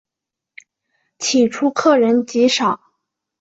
起初客人极少。